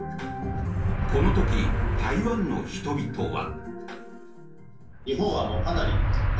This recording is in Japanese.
この時、台湾の人々は。